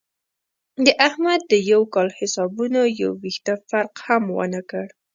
د احمد د یوه کال حسابونو یو وېښته فرق هم ونه کړ.